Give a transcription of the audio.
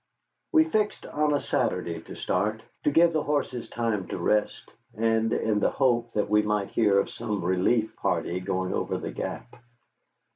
We fixed on a Saturday to start, to give the horses time to rest, and in the hope that we might hear of some relief party going over the Gap.